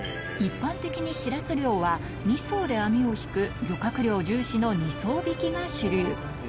一般的にシラス漁は、２艘で網を引く漁獲量重視の２艘引きが主流。